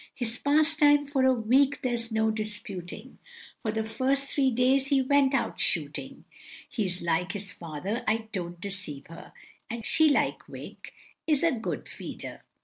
His pastime for a week there's no disputing, For the first three days he went out shooting, He's like his father I don't deceive her, And she like Vick is a good feeder.